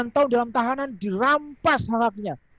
sembilan tahun dalam tahanan dirampas harapnya